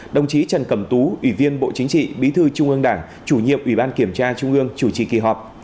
đồng chí trần cẩm tú ủy viên bộ chính trị bí thư trung ương đảng chủ nhiệm ủy ban kiểm tra trung ương chủ trì kỳ họp